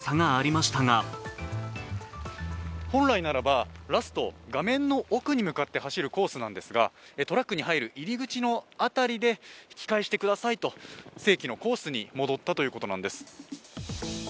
３区の時点で、２位の学校とはおよそ２０秒の差がありましたが本来ならばラスト画面の奥に向かって走るコースなんですがトラックに入る入り口の辺りで引き返してくださいと正規のコースに戻ったということなんです。